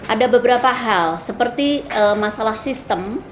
ada beberapa hal seperti masalah sistem